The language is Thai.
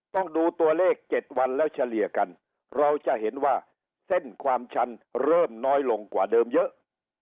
ต้องดูตัวเลข๗วันแล้วเฉลี่ยกันเราจะเห็นว่าเส้นความชันเริ่มน้อยลงกว่าเดิมเยอะ